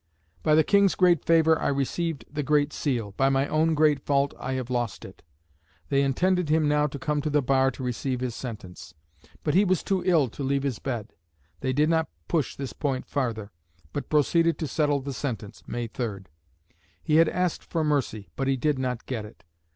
"By the King's great favour I received the Great Seal; by my own great fault I have lost it." They intended him now to come to the bar to receive his sentence. But he was too ill to leave his bed. They did not push this point farther, but proceeded to settle the sentence (May 3). He had asked for mercy, but he did not get it.